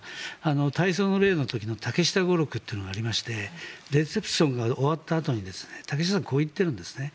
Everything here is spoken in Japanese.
大喪の礼の時の竹下語録というのがありましてレセプションが終わったあとに竹下さんはこう言っているんですね。